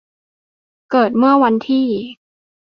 เกิดเมื่อวันที่